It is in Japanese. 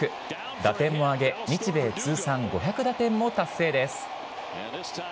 打点も挙げ、日米通算５００打点も達成です。